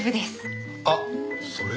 あっそれ